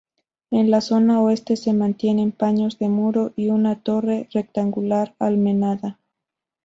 En la zona oeste se mantienen paños de muro y una torre rectangular, almenada.